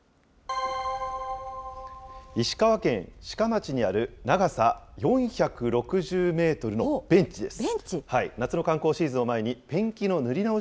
石川県志賀町にある長さ４６０メートルのベンチです。